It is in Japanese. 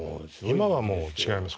今はもう違います。